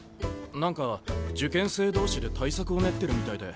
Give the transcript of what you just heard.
何か受験生同士で対策を練ってるみたいで。